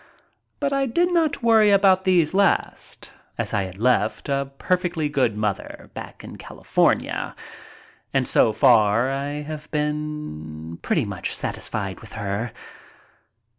But I did not worry much about these last, as I had left a perfectly good mother back in California, and so far I have been pretty much satisfied with her.